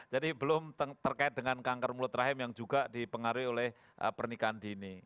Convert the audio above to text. jadi belum terkait dengan kanker mulut rahim yang juga dipengaruhi oleh pernikahan dini